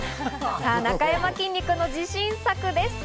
さぁ、なかやまきんに君の自信作です。